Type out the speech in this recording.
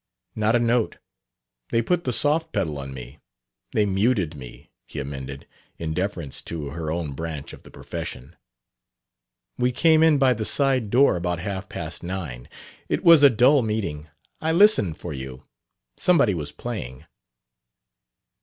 "Not a note. They put the soft pedal on me. They 'muted' me," he amended, in deference to her own branch of the profession. "We came in by the side door about half past nine. It was a dull meeting. I listened for you. Somebody was playing."